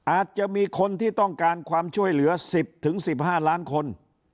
อาจจะมีคนที่ต้องการความช่วยเหลือ๑๐๑๕ล้านคน